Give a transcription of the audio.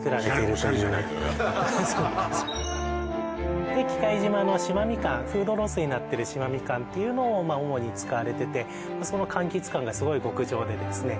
やっぱりで喜界島の島みかんフードロスになってる島みかんっていうのを主に使われててその柑橘感がすごい極上でですね